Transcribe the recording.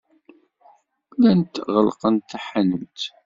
Llant ɣellqent taḥanut.